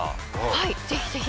はいぜひぜひ。